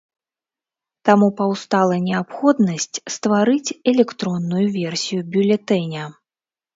Таму паўстала неабходнасць стварыць электронную версію бюлетэня.